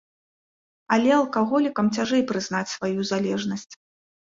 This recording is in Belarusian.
Але алкаголікам цяжэй прызнаць сваю залежнасць.